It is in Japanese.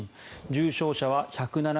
重症者は１７６人。